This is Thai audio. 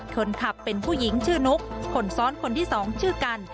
คนขับเป็นผู้หญิงชื่อนุ๊กคนซ้อนคนที่สองชื่อกัน